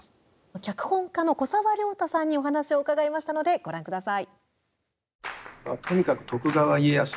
脚本家の古沢良太さんにお話を伺いましたのでご覧ください。